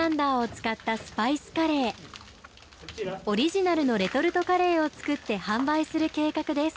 オリジナルのレトルトカレーを作って販売する計画です。